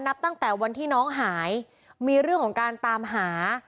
นับตั้งแต่วันที่น้องหายมีเรื่องของการตามหา